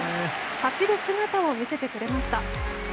走る姿を見せてくれました。